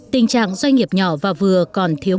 tình trạng doanh nghiệp nhỏ và vừa còn thiếu